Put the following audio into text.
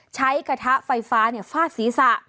ใช้กระทะไฟฟ้าเนี่ยฝาดศิษฐ์